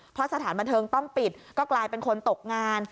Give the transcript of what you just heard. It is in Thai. เพราะสถานบันเทิงต้องปิดก็กลายเป็นคนตกงาน